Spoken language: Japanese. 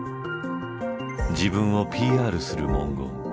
自分をＰＲする文言。